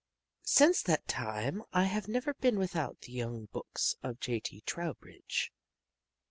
Since that time I have never been without the young books of J. T. Trowbridge.